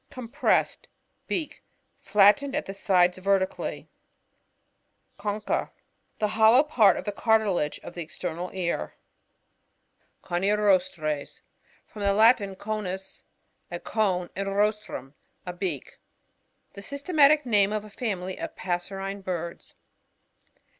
Compressed (beak.) — Flattened at the sides vertically. Concha. — The ho low part of the car tilage of the external ear. CoNiRosTRBs — From the Latin, count, a cone, and rostrui^i, a beak. Tha systematic name of a family of passerine birds.